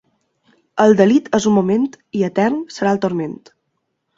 El delit és un moment i etern serà el turment.